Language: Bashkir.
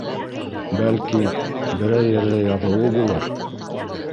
Бәлки, берәй ерҙә яҙыуы булыр!